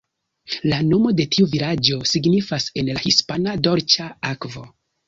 La nomo de tiu vilaĝo signifas en la hispana "Dolĉa akvo".